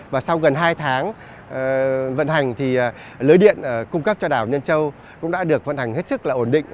và sau gần hai tháng vận hành lưới điện cung cấp cho đảo nhân trong cũng đã được vận hành hết sức ổn định